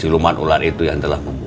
ini kenapa kita masih hidup